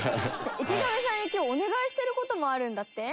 池上さんに今日お願いしてる事もあるんだって？